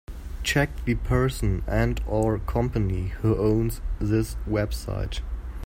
Check the person and/or company who owns this website.